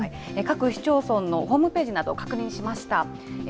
各市町村のホームページなどを確認しました。